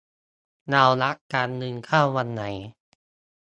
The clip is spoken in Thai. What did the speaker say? เรารักกัน เงินเข้าวันไหน